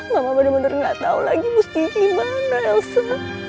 mama benar benar gak tahu lagi mesti gimana elsa